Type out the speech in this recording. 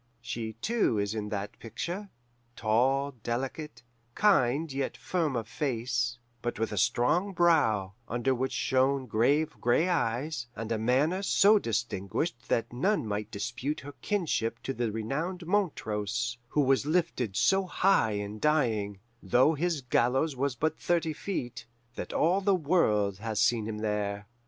She, too, is in that picture, tall, delicate, kind yet firm of face, but with a strong brow, under which shone grave gray eyes, and a manner so distinguished that none might dispute her kinship to the renowned Montrose, who was lifted so high in dying, though his gallows was but thirty feet, that all the world has seen him there.